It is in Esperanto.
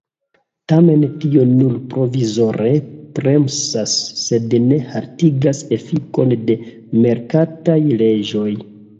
Tamen tio nur provizore bremsas, sed ne haltigas efikon de merkataj leĝoj.